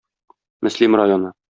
Мөслим районы.